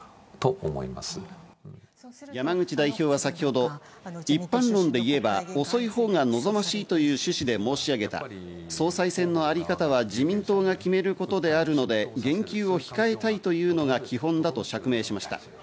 山口代表は先ほど一般論で言えば遅いほうが望ましいという趣旨で申し上げた、総裁選のあり方は自民党が決めることであるので言及を控えたいというのが基本だと釈明しました。